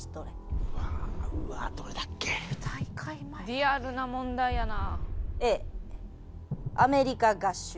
リアルな問題やな。